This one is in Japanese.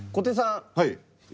はい。